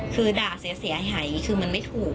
คือด่าเสียหายคือมันไม่ถูก